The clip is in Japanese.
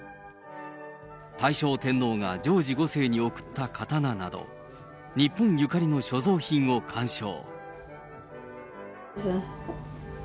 大正天皇がジョージ５世に贈った刀など、日本ゆかりの所蔵品を鑑賞。